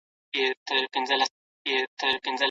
دوی د پښتنو د بقا لپاره جنګېدلي دي.